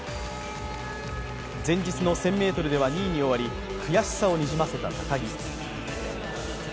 前日の１０００ｍでは２位に終わり、悔しさをにじませた高木。